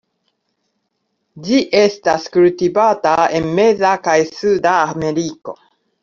Ĝi estas kultivata en meza kaj suda Ameriko.